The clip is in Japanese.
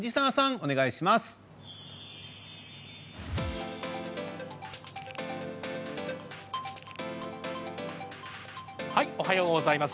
おはようございます。